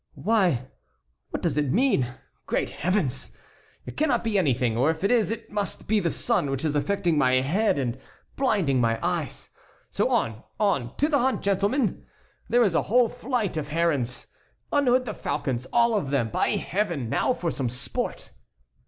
"Why, what does it mean? Great Heavens! It cannot be anything, or if it is it must be the sun which is affecting my head and blinding my eyes. So on, on, to the hunt, gentlemen! There is a whole flight of herons. Unhood the falcons, all of them, by Heaven! now for some sport!"